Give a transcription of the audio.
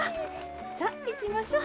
さあいきましょう。